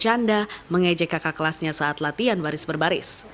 canda mengejek kakak kelasnya saat latihan baris berbaris